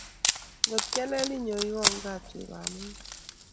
Ngot kialele inyowan kaat wei bamongo